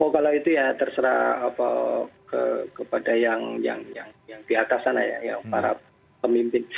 kalau itu ya terserah kepada yang di atas sana ya yang para pemimpin